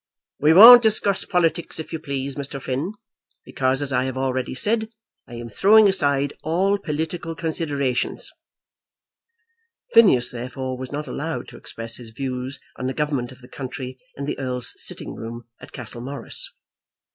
"We won't discuss politics, if you please, Mr. Finn; because, as I have already said, I am throwing aside all political considerations." Phineas, therefore, was not allowed to express his views on the government of the country in the Earl's sitting room at Castlemorris.